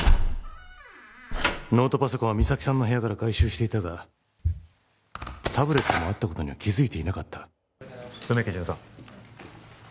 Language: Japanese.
ノートパソコンは実咲さんの部屋から回収していたがタブレットもあったことには気づいていなかった梅木巡査